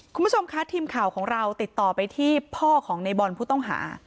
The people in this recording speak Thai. คุณผู้ชมคะทีมข่าวของเราติดต่อไปที่พ่อของในบอลผู้ต้องหา